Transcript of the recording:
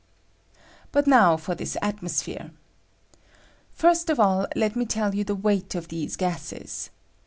But now for this atmosphere. Tirat of all, let me teU you the weight of these gases.